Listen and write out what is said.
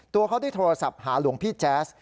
ตัวเขาได้โทรศัพท์หาหลวงพี่แจ๊ส